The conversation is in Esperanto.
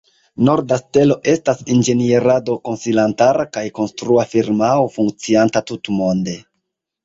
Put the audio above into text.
Norda Stelo estas inĝenierado-konsilantara kaj konstrua firmao funkcianta tutmonde.